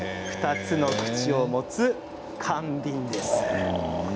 ２つの口を持つ燗瓶です。